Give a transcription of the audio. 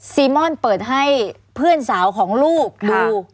ซีม่อนเปิดให้เพื่อนสาวของลูกดู